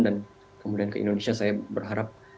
dan kemudian ke indonesia saya berharap